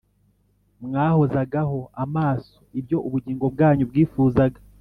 Mwahozagaho Amaso Ibyo Ubugingo Bwanyu bwifuzaga